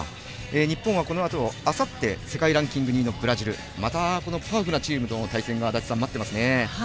日本はこのあと、あさって世界ランキング２位のブラジルまたパワフルな相手との対戦が待ってますね。